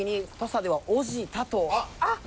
あっ！